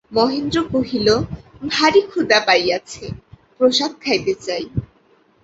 মহেন্দ্র কহিল, ভারি ক্ষুধা পাইয়াছে, প্রসাদ খাইতে চাই।